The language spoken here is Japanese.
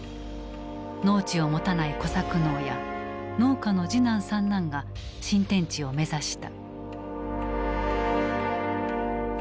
農地を持たない小作農や農家の次男三男が新天地を目指した。